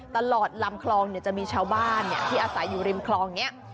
ตลอดลำคลองเนี่ยจะมีชาวบ้านเนี่ยที่อาศัยอยู่ริมคลองเนี่ย